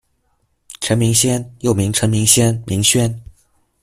陈明仙，又名陈明仙、明轩。